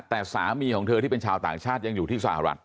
แต่สามีของเธอที่เป็นชาวต่างชาติยังอยู่ที่สหรัฐ